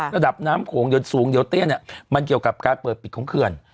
ระดับน้ำโขงสูงเดี๋ยวเตี้ยเนี่ยมันเกี่ยวกับการเปิดปิดของเขื่อน